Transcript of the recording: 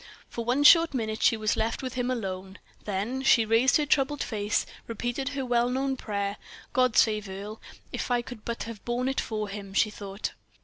For one short minute she was left with him alone, then she raised her troubled face, repeated her well known prayer: "God save Earle! If I could but have borne it for him!" she thought.